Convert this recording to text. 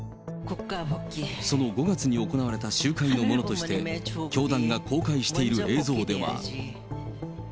その５月に行われた集会のものとして、教団が公開している映像では。